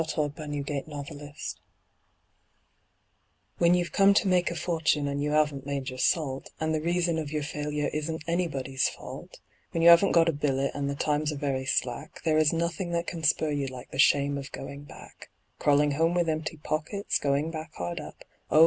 The Shame of Going Back When you've come to make a fortune and you haven't made your salt, And the reason of your failure isn't anybody's fault When you haven't got a billet, and the times are very slack, There is nothing that can spur you like the shame of going back; Crawling home with empty pockets, Going back hard up; Oh!